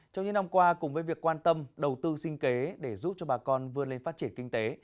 trong những năm qua cùng với việc quan tâm đầu tư sinh kế để giúp cho bà con vươn lên phát triển kinh tế